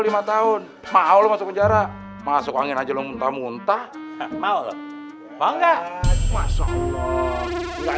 lima tahun mahal masuk penjara masuk angin aja lo muntah muntah mau mau enggak mas allah enggak